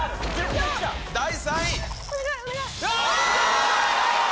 第３位。